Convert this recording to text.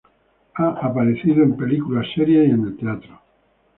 Ha aparecido en películas, series y en el teatro.